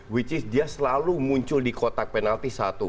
which is dia selalu muncul di kotak penalti satu